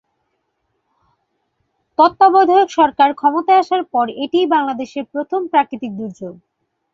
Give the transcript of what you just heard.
তত্ত্বাবধায়ক সরকার ক্ষমতায় আসার পর এটিই বাংলাদেশের প্রথম প্রাকৃতিক দুর্যোগ।